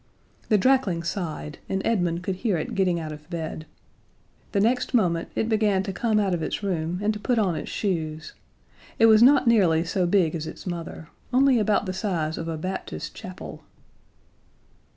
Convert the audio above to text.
The drakling sighed, and Edmund could hear it getting out of bed. The next moment it began to come out of its room and to put on its shoes. It was not nearly so big as its mother; only about the size of a Baptist chapel.